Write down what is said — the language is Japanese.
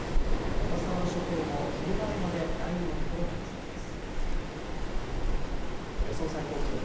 小笠原諸島も昼前まで雷雨の所がありそうです。